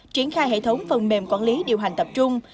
triển khai hệ thống phần mềm quản lý điều hành tập trung